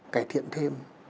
cải thiện thêm